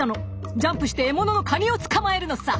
ジャンプして獲物のカニを捕まえるのさ。